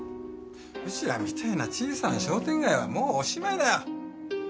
うちらみてえな小さな商店街はもうおしまいだよ。